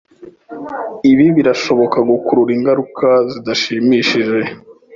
Ibi birashobora gukurura ingaruka zidashimishije.